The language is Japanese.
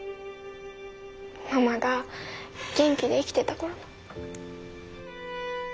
ママが元気で生きてた頃の。